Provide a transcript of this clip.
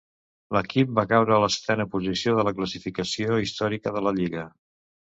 L'equip va caure a la setena posició de la classificació històrica de la lliga.